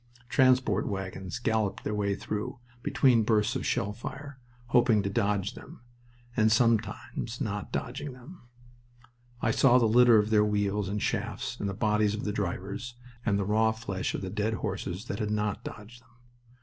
Transport wagons galloped their way through, between bursts of shell fire, hoping to dodge them, and sometimes not dodging them. I saw the litter of their wheels and shafts, and the bodies of the drivers, and the raw flesh of the dead horses that had not dodged them.